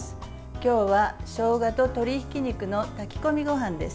今日は、しょうがと鶏ひき肉の炊き込みご飯です。